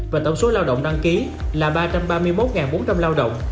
và tổng số lao động đăng ký là ba trăm ba mươi một bốn trăm linh lao động